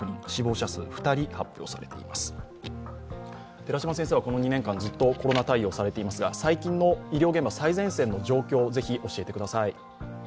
寺嶋先生はこの２年間ずっとコロナ対応をされていますが最近の医療現場、最前線の状況をぜひ教えてください。